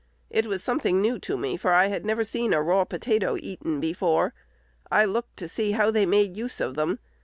It was something new to me, for I never had seen a raw potato eaten before. I looked to see how they made use of them.